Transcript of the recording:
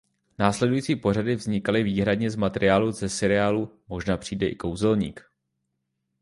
Následující pořady vznikly výhradně z materiálu ze seriálu "Možná přijde i kouzelník".